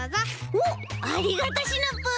おっありがとうシナプー！